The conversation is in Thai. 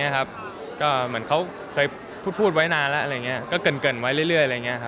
เหมือนเขาเคยพูดไว้นานแล้วก็เกินไว้เรื่อย